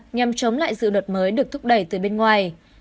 nhằm chống lại dự luật mới được thúc đẩy từ bên ngoài